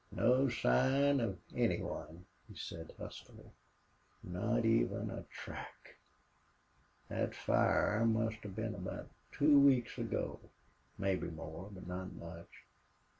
"No sign of any one," he said, huskily. "Not even a track!... Thet fire must hev been about two weeks ago. Mebbe more, but not much.